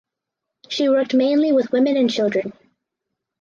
She worked mainly with women and children.